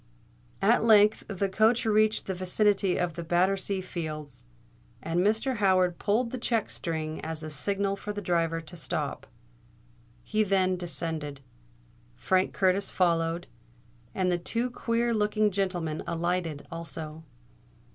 At length the coach reached the vicinity of Battersea Fields; and Mr. Howard pulled the check string as a signal for the driver to stop. He then descended; Frank Curtis followed; and the two queer looking gentlemen alighted also.